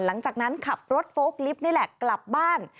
หลังจากนั้นขับรถโฟล์กลิฟต์นี่แหละกลับบ้าน